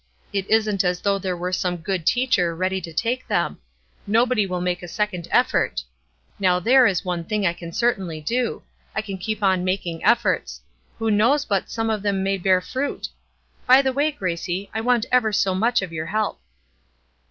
It isn't as though there were some good teacher ready to take them. Nobody will make a second effort. Now there is one thing I can certainly do. I can keep on making efforts; who knows but some of them may bear fruit? By the way, Gracie, I want ever so much of your help."